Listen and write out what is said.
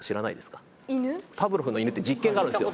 パブロフの犬って実験があるんですよ